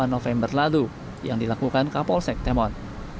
dua puluh november lalu yang dilakukan kapolsek temon